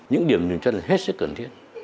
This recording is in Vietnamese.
những điểm dừng chân là hết sức cần thiết